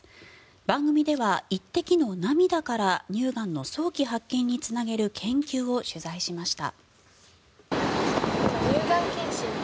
番組では１滴の涙から乳がんの早期発見につなげる研究を取材しました。